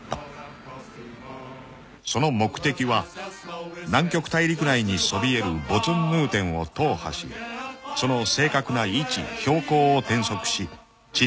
［その目的は南極大陸内にそびえるボツンヌーテンを踏破しその正確な位置標高を天測し地質を調査することであった］